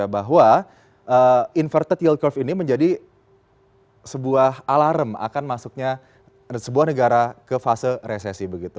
bahwa inverted yield curve ini menjadi sebuah alarm akan masuknya sebuah negara ke fase resesi